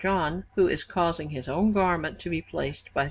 John who is causing his own garment to be placed by S.